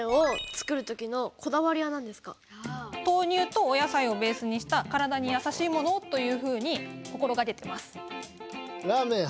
なるほどね。とうにゅうとお野菜をベースにした体にやさしいものをというふうに心がけてます。